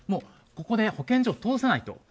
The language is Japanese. ここで保健所を通さないと。